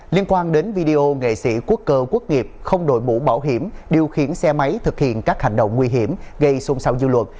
liên quan đến video nghệ sĩ quốc cơ quốc nghiệp không đổi mũ bảo hiểm điều khiển xe máy thực hiện các hành động nguy hiểm gây xung sao dư luận